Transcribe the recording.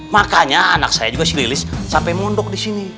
makanya anak saya juga sililis sampai mondok di sini